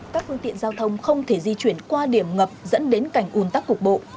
các phương tiện giao thông không thể di chuyển qua điểm ngập dẫn đến cảnh un tắc cục bộ